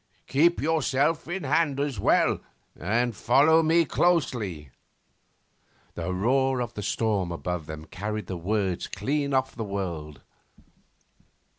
Keep yourself in hand as well, and follow me closely.' The roar of the storm above them carried the words clean off the world.